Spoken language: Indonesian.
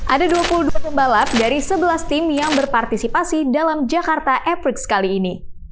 ada dua puluh dua pembalap dari sebelas tim yang berpartisipasi dalam jakarta apricks kali ini